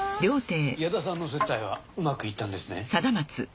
矢田さんの接待はうまくいったんですね？